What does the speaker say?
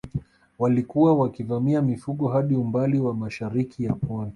Walikuwa wakivamia mifugo hadi umbali wa mashariki ya Pwani